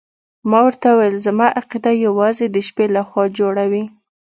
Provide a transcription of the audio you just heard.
ما ورته وویل زما عقیده یوازې د شپې لخوا جوړه وي.